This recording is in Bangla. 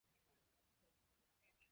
লাইট জ্বালিয়েছিস কেন?